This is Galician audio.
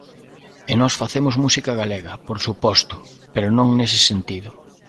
E nós facemos música galega, por suposto, pero non nese sentido.